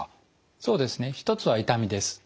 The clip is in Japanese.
そうですね一つは痛みです。